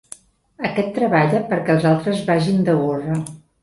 Aquest treballa perquè els altres vagin de gorra.